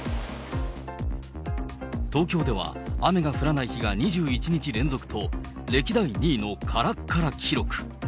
東京では、雨が降らない日が２１日連続と、歴代２位のからっから記録。